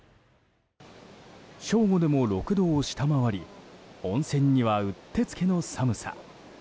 正午でも６度を下回り温泉にはうってつけの寒さ。